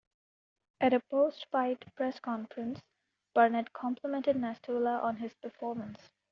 At a post-fight press conference, Barnett complimented Nastula on his performance.